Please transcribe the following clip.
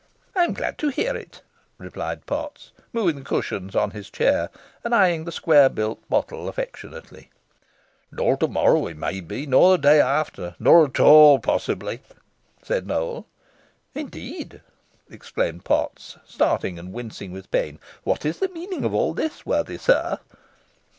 "I am glad to hear it," replied Potts, moving the cushions on his chair and eyeing the square built bottle affectionately. "Nor to morrow, it may be nor the day after nor at all, possibly," said Nowell. "Indeed!" exclaimed Potts, starting, and wincing with pain. "What is the meaning of all this, worthy sir?"